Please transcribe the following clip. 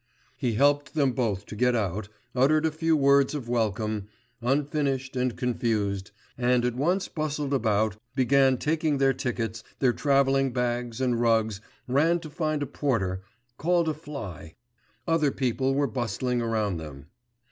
He helped them both to get out, uttered a few words of welcome, unfinished and confused, and at once bustled about, began taking their tickets, their travelling bags, and rugs, ran to find a porter, called a fly; other people were bustling around them.